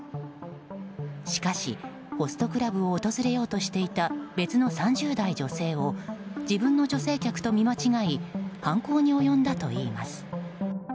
しかし、ホストクラブを訪れようとしていた別の３０代女性を自分の女性客と見間違い犯行に及んだといいます。